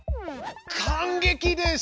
感激です！